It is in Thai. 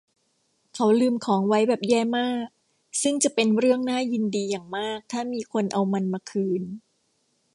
เขาลืมของไว้แบบแย่มากซึ่งจะเป็นเรื่องน่ายินดีอย่างมากถ้ามีคนเอามันมาคืน